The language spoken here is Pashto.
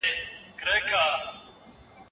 انسان بايد نرم وي.